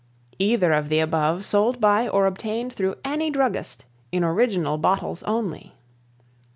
Either of the above sold by or obtained through any druggist in original bottles only.